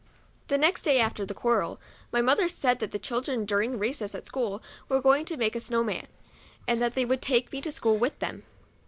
The next day after the quarrel, my mother said that the children, during recess at school, were going to make a " snow man," and that they would take me to school with them.